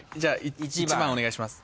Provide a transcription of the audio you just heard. １番お願いします。